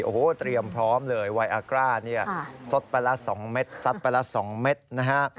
โอ้โหเตรียมพร้อมเลยไวอากร้าเนี่ยซดไปละ๒เม็ดซัดไปละ๒เม็ดนะฮะ